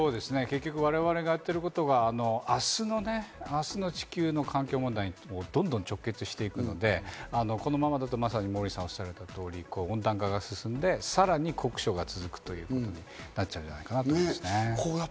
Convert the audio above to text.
結局、我々のやっていることが明日の地球の環境問題にどんどん直結していくので、このままだと、まさにモーリーさんがおっしゃった通り、温暖化が進んで、さらに酷暑が続くことになっちゃうんじゃないかなと思いますね。